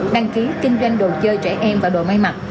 đăng ký kinh doanh đồ chơi trẻ em và đồ may mặt